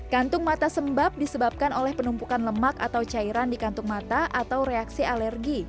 kantung mata sembab disebabkan oleh penumpukan lemak atau cairan di kantung mata atau reaksi alergi